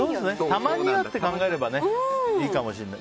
たまにはって考えればいいかもしれない。